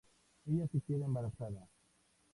Ella se queda embarazada.